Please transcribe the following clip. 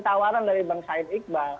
tawaran dari bang said iqbal